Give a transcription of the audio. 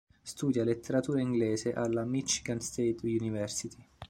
Studia letteratura inglese alla Michigan State University.